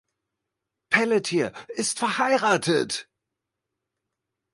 Pelletier ist verheiratet.